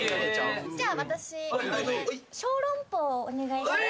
じゃあ私小籠包お願いします。